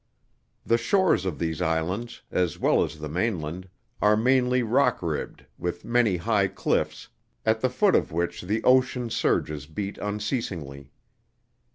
The shores of these islands, as well as the mainland, are mainly rock ribbed, with many high cliffs, at the foot of which the ocean surges beat unceasingly.